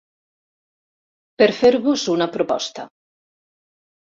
Per fer-vos una proposta.